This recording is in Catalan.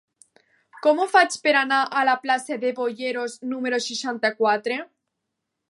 Com ho faig per anar a la plaça de Boyeros número seixanta-quatre?